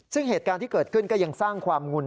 ซึ่งเหตุการณ์ที่เกิดขึ้นก็ยังสร้างความงุน